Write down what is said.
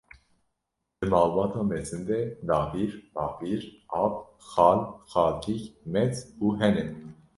Di malbata mezin de dapîr, babîr, ap, xal, xaltîk, met û hene.